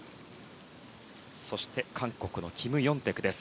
韓国のキム・ヨンテクです。